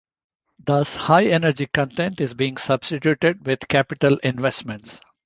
Thus high-exergy content is being substituted with capital investments.